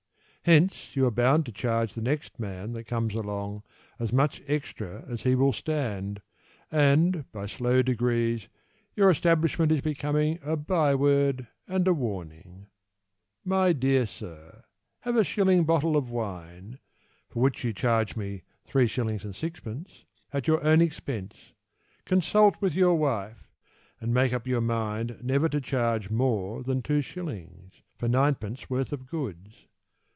Hence You are bound to charge The next man that comes along As much extra as he will stand, And by slow degrees Your establishment Is becoming A by word And a warning. My dear Sir, Have a shilling bottle of wine (For which you charge me 3s. 6d.) At your own expense, Consult with your wife, And make up your mind Never to charge More than 2s. For 9d. worth of goods.